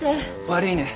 悪いね。